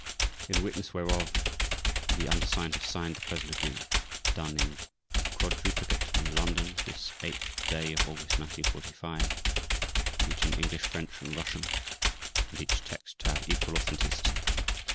IN WITNESS WHEREOF the Undersigned have signed the present Agreement. DONE in quadruplicate in London this 8th day of August 1945 each in English, French, and Russian, and each text to have equal authenticity.